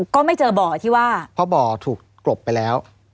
ก็ไม่เจอบ่อที่ว่าเพราะบ่อถูกกลบไปแล้ว